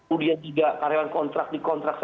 ulia tidak karyawan kontrak dikontrak